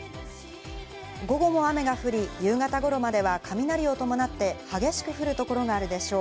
午後も雨が降り夕方頃までは雷を伴って激しく降る所があるでしょう。